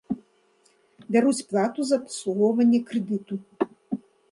Бяруць плату за абслугоўванне крэдыту.